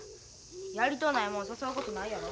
やりとうないもん誘うことないやろ。